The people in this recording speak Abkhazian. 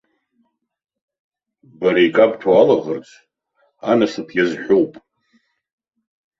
Бара икабҭәо алаӷырӡ анасыԥ иазҳәоуп.